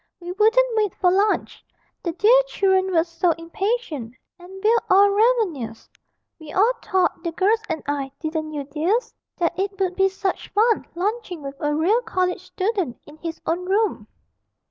We wouldn't wait for lunch, the dear children were so impatient, and we're all ravenous! We all thought, the girls and I (didn't you, dears?) that it would be such fun lunching with a real college student in his own room.'